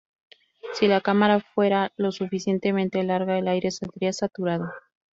Si la cámara fuera lo suficientemente larga el aire saldría saturado.